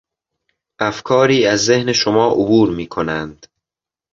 افکاری از ذهن شما عبور میکنند